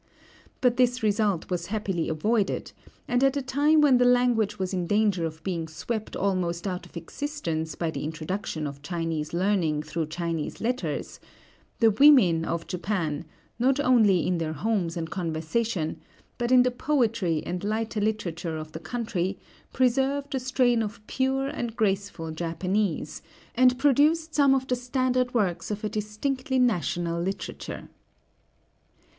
But this result was happily avoided; and at a time when the language was in danger of being swept almost out of existence by the introduction of Chinese learning through Chinese letters, the women of Japan, not only in their homes and conversation, but in the poetry and lighter literature of the country, preserved a strain of pure and graceful Japanese, and produced some of the standard works of a distinctly national literature.